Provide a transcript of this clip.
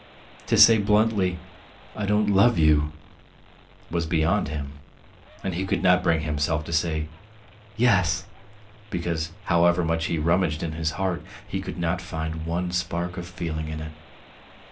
To say bluntly, "I don't love you," was beyond him, and he could not bring himself to say "Yes," because however much he rummaged in his heart he could not find one spark of feeling in it.